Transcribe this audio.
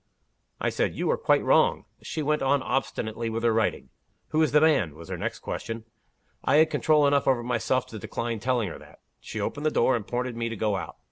I said, 'You are quite wrong.' She went on obstinately with her writing. 'Who is the man?' was her next question. I had control enough over myself to decline telling her that. She opened the door, and pointed to me to go out.